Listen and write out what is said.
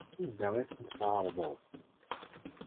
Anda i ten-tɛerḍeḍ?